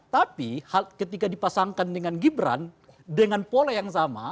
tapi ketika dipasangkan dengan gibran dengan pola yang sama